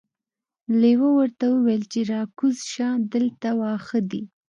لیوه ورته وویل چې راکوزه شه دلته واښه دي.